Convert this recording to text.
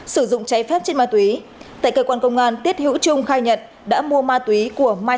sử dụng cháy phép chất ma túy tại cơ quan công an tiết hữu trung khai nhận đã mua ma túy của mai